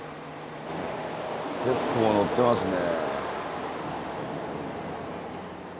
結構乗ってますね。